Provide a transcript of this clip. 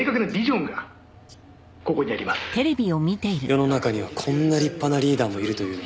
世の中にはこんな立派なリーダーもいるというのに。